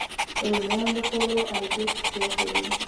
رومیان د خوړو ارزښت زیاتوي